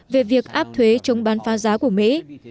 về việc áp thuế trong bán pha giá của mỹ